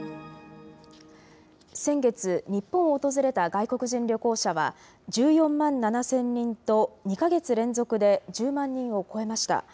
先月、日本を訪れた外国人旅行者は、１４万７０００人と２か月連続で１０万人を超えました。